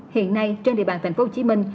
hiện nay trên địa bàn tp hcm